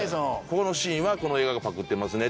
ここのシーンはこの映画がパクってますねって。